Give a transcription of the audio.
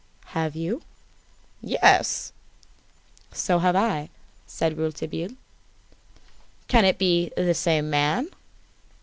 "Have you?" "Yes." "So have I," said Rouletabille. "Can it be the same man?"